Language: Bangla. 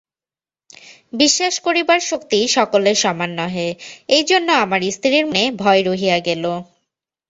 বিশ্বাস করিবার শক্তি সকলের সমান নহে, এইজন্য আমার স্ত্রীর মনে ভয় রহিয়া গেল।